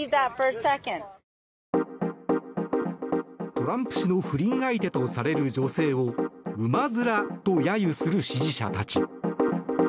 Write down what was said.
トランプ氏の不倫相手とされる女性を馬面と揶揄する支持者たち。